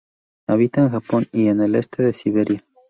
Habita en Japón y en el este de Siberia.